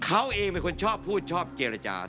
เขาเองเป็นคนชอบพูดชอบเจรจา